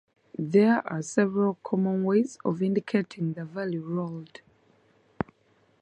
There are several common ways of indicating the value rolled.